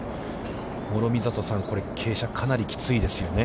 諸見里さん、これ、傾斜はかなりきついですよね。